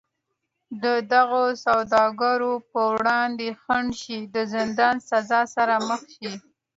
د دغو سوداګرو پر وړاندې خنډ شي د زندان سزا سره مخ شي.